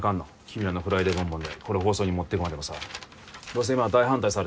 君らの「フライデーボンボン」でこれを放送に持ってくまでのさ。